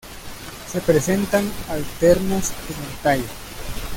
Se presentan alternas en el tallo.